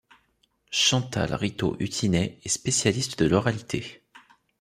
Chantal Rittaud-Hutinet est spécialiste de l’oralité.